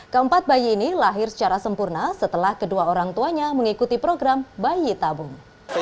keempat bayi ini lahir secara sempurna setelah kedua orang tuanya mengikuti program bayi tabung